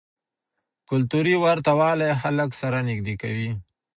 کلتوري ورته والی خلک سره نږدې کوي.